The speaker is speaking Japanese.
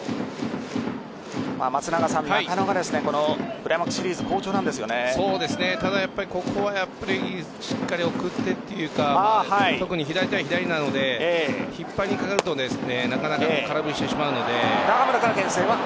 松中さん、中野がクライマックスシリーズただここはしっかり送ってというか特に左対左なので引っ張りにかかると空振りしてしまうので。